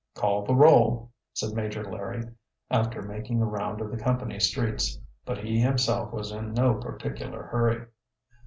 "Call the roll!" said Major Larry, after making a round of the company streets. But he himself was in no particular hurry.